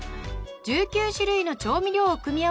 １９種類の調味料を組み合わせ